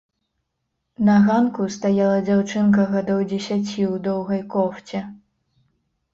На ганку стаяла дзяўчынка гадоў дзесяці ў доўгай кофце.